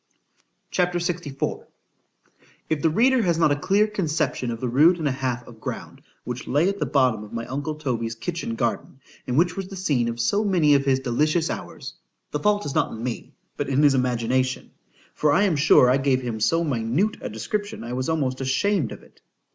C H A P. LXIV IF the reader has not a clear conception of the rood and the half of ground which lay at the bottom of my uncle Toby's kitchen garden, and which was the scene of so many of his delicious hours,—the fault is not in me,—but in his imagination;—for I am sure I gave him so minute a description, I was almost ashamed of it.